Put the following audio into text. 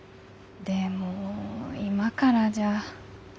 でも今からじゃ。